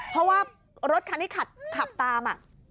เพราะว่ารถคันที่ขับตาม